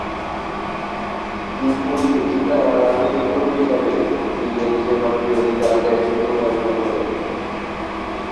চীন পন্থী চিন্তাধারার রাজনৈতিক কর্মী হিসাবে তিনি এদেশের মানুষের অধিকার আদায়ে শ্রেনী সংগ্রামে অংশ নেন।